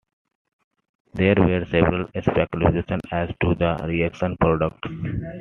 There were several speculations as to the reaction products.